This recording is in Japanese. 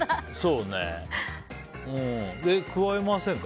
くわえませんか？